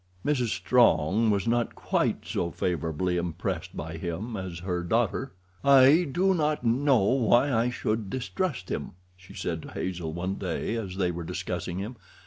Mrs. Strong was not quite so favorably impressed by him as her daughter. "I do not know why I should distrust him," she said to Hazel one day as they were discussing him.